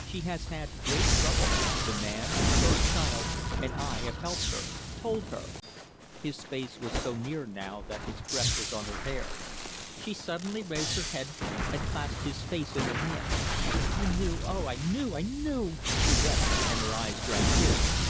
She has had great trouble the man her child and I have helped her, told her " His face was so near now that his breath was on her hair. She suddenly raised her head and clasped his face in her hands. "I knew oh, I knew, I knew...!" she wept, and her eyes drank his.